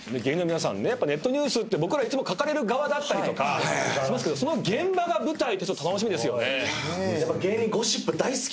芸人の皆さんやっぱネットニュースって僕らいつも書かれる側だったりとかしますけどその現場が舞台ってちょっと楽しみですよね。